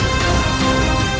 aku akan menang